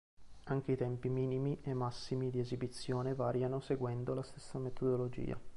Anche i tempi minimi e massimi di esibizione variano seguendo la stessa metodologia.